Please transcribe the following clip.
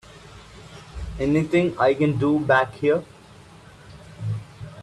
Anything I can do back here?